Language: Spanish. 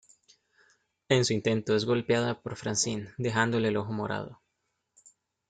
En su intento, es golpeada por Francine, dejándole el ojo morado.